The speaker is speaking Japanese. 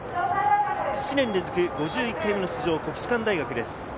７年連続５１回目の出場、国士舘大学です。